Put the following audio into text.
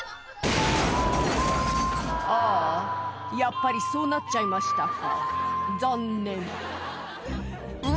ああやっぱりそうなっちゃいましたか残念ん？